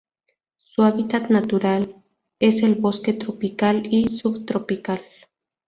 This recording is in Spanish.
Su hábitat natural es el bosque tropical y subtropical.